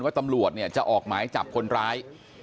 ว่าตำรวจจะออกหมายจับคนร้าย